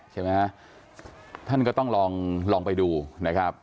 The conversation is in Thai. ใช่ไหมฮะท่านก็ต้องลองไปดูนะครับ